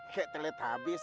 kayak telet abis